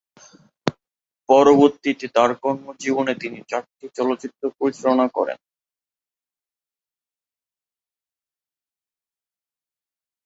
পরবর্তীতে তার কর্মজীবনে তিনি চারটি চলচ্চিত্র পরিচালনা করেন।